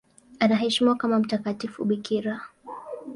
Anaheshimiwa kama mtakatifu bikira.